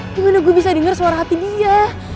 gimana gue bisa dengar suara hati dia